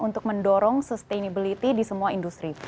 untuk mendorong sustainability di semua industri